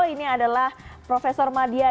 ini adalah profesor madia